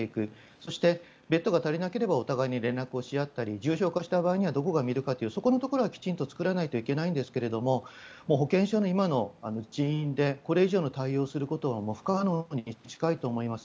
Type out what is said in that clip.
そしてベッドが足りていなければお互いに連絡をし合ったり重症化した場合にはどこが診るかというそこのところはきちんと作らないといけないんですが保健所の今の人員でこれ以上の対応をすることはもう不可能に近いと思います。